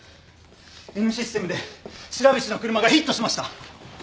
Ｎシステムで白菱の車がヒットしました。